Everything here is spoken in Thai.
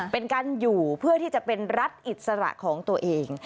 เป็นการอยู่เพื่อที่จะเป็นรัฐอิสระของตัวเอง